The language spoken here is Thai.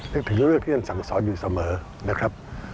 นึกถึงเรื่องที่ท่านสั่งสอนอยู่เสมอนะครับ